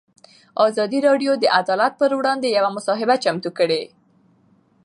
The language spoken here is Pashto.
ازادي راډیو د عدالت پر وړاندې یوه مباحثه چمتو کړې.